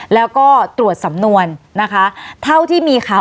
เท่าที่มีเขา